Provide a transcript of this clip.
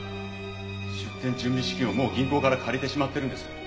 出店準備資金をもう銀行から借りてしまってるんです。